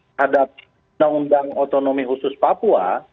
terhadap undang undang otonomi khusus papua